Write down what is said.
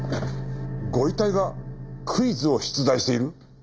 ご遺体がクイズを出題している？